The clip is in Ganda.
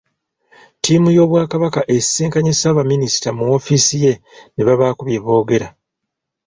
Ttiimu y’Obwakabaka esisinkanye Ssaabaminisita mu ofiisi ye ne babaako bye boogera.